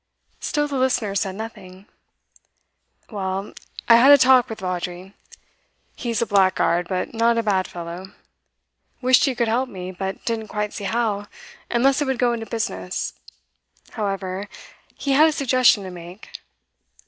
Still the listener said nothing. 'Well, I had a talk with Vawdrey. He's a blackguard, but not a bad fellow. Wished he could help me, but didn't quite see how, unless I would go into business. However, he had a suggestion to make.